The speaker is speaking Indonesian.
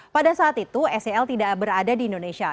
pada saat itu sel tidak berada di indonesia